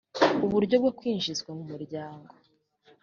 uburyo bwo kwinjizwa mu muryango